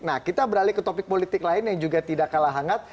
nah kita beralih ke topik politik lain yang juga tidak kalah hangat